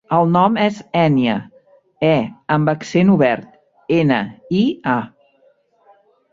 El nom és Ènia: e amb accent obert, ena, i, a.